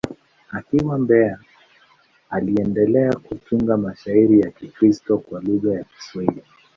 Akiwa Mbeya, aliendelea kutunga mashairi ya Kikristo kwa lugha ya Kiswahili.